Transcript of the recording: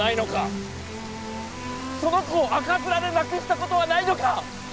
その子を赤面で亡くしたことはないのか！